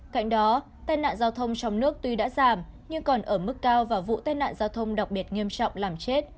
cạnh đó tai nạn giao thông trong nước tuy đã giảm nhưng còn ở mức cao và vụ tai nạn giao thông đặc biệt nghiêm trọng làm chết